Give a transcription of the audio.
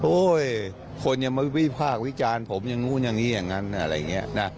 โอ้ยคนยังไม่วิพากษ์วิจารณ์ผมยังงู้ยังงี้อย่างงั้นอะไรอย่างนี้